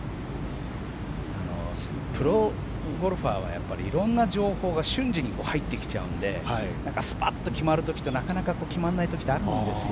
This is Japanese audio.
プロゴルファーは色んな情報が瞬時に入ってきちゃうのでスパッと決まる時となかなか決まらない時とあるんですよ。